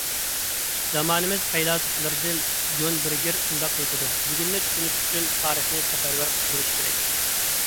زامانىمىز پەيلاسوپلىرىدىن جون بېرگېر شۇنداق ئېيتىدۇ: «بۈگۈننى چۈشىنىش ئۈچۈن تارىخنى سەپەرۋەر قىلدۇرۇش كېرەك».